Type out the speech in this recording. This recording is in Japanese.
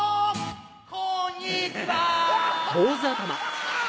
こんにちは！